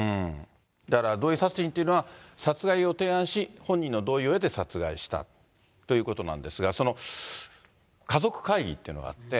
だから同意殺人というのは、殺害を提案し、本人の同意を得て殺害したということなんですが、その家族会議っていうのがあって、